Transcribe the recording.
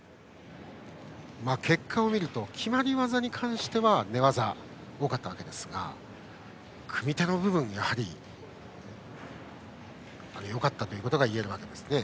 結果を見ると決まり技に関しては寝技が多かったわけですが組み手の部分でもやはり、よかったということが言えるわけですね。